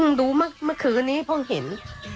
ดูเมื่อคืนนี้เพิ่งเห็น